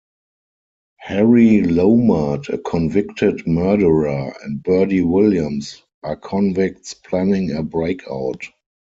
Harry Lomart, a convicted murderer, and Birdy Williams are convicts planning a breakout.